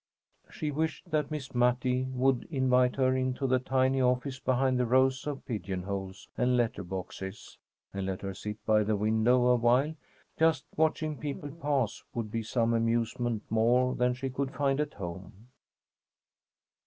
She wished that Miss Mattie would invite her into the tiny office behind the rows of pigeonholes and letter boxes, and let her sit by the window awhile. Just watching people pass would be some amusement, more than she could find at home.